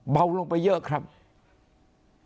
เบาลงไปเยอะครับ